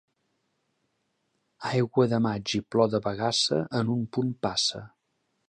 Aigua de maig i plor de bagassa, en un punt passa.